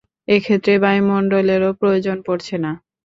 এক্ষেত্রে, বায়ুমন্ডলেরও প্রয়োজন পড়ছে না।